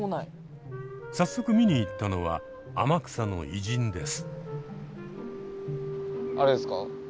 早速見に行ったのは天草の偉人です。